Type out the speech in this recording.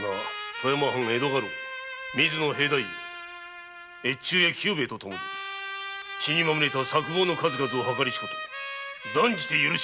富山藩江戸家老・水野平太夫越中屋久兵衛とともに血にまみれた策謀の数々を謀りしこと断じて許し